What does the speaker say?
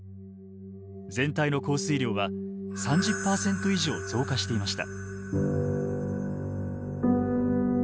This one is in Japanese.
全体の降水量は３０％以上増加していました。